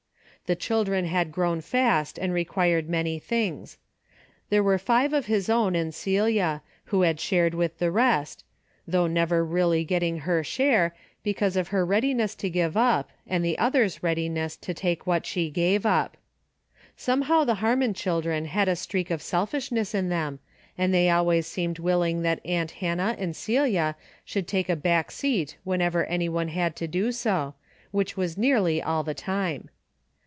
The chil dren had grown fast and required many 18 A DAILY EATE.^' things. There were five of his own and Celia, who had shared with the rest, — though never really getting her share, because of her readi ness to give up and the others' readiness to take what she gave up. Somehow the Hannon children had a streak of selfishness in them, and they always seemed willing that aunt Hannah and Celia should take a back seat whenever any one had to do so, which was nearly all the time.